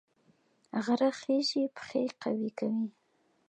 غره خیژي پښې قوي کوي